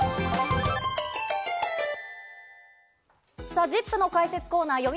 さあ、ＺＩＰ！の解説コーナー、よ